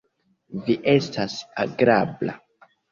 Vi estas agrabla.